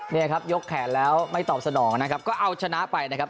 นี่ครับยกแขนแล้วไม่ตอบสนองนะครับก็เอาชนะไปนะครับ